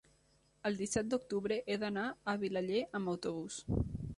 el disset d'octubre he d'anar a Vilaller amb autobús.